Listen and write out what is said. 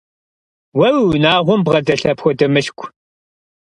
Уэ уи унагъуэм бгъэдэлъ апхуэдэ мылъку?